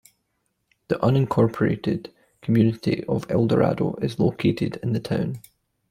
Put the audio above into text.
The unincorporated community of Eldorado is located in the town.